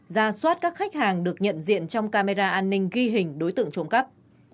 ra soát các khách hàng được nhận diện trong camera an ninh ghi hình đối tượng trộm cắp